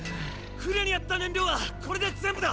船にあった燃料はこれで全部だ！